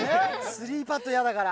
スリーパット嫌だから。